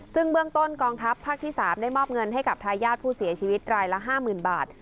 ซึ่งเบื้องต้นกองทัพภาคที่๓ได้มอบเงินให้กับทายาทผู้เสียชีวิตรายละ๕๐๐๐บาท